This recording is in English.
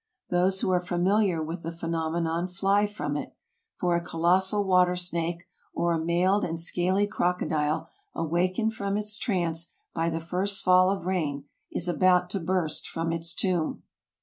Those who are familiar with the phenomenon fly from it; for a colossal water snake, or a mailed and scaly crocodile, awakened from its trance by the first fall of rain, is about to burst from its tomb.